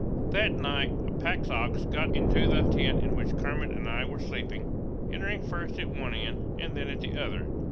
That night a pack ox got into the tent in which Kermit and I were sleeping, entering first at one end and then at the other.